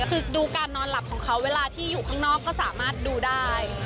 คือดูการนอนหลับของเขาเวลาที่อยู่ข้างนอกก็สามารถดูได้